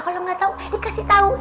kalau nggak tahu dikasih tahu